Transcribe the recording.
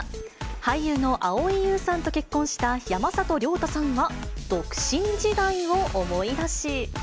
俳優の蒼井優さんと結婚した山里亮太さんは、独身時代を思い出し。